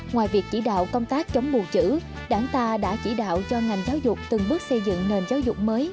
ngoài việc chỉ đạo công tác chống bù chữ đảng ta đã chỉ đạo cho ngành giáo dục từng bước xây dựng nền giáo dục mới